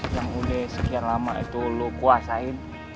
yang udah sekian lama itu lo kuasain